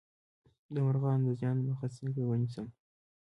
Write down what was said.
د مرغانو د زیان مخه څنګه ونیسم؟